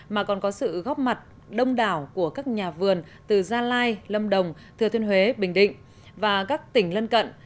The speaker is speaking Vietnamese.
mà còn có sự góp mặt đông đảo của các nhà vườn từ gia lai lâm đồng thừa thiên huế bình định và các tỉnh lân cận